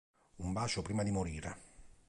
Un bacio prima di morire